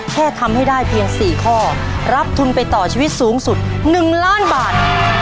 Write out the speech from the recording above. แค่ทำให้ได้เพียง๔ข้อรับทุนไปต่อชีวิตสูงสุด๑ล้านบาท